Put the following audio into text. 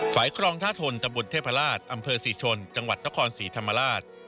ฝ่ายคลองท่าทนตะบุญเทพลาสอำเภอสีชนจังหวัดตะครสีธรรมลาส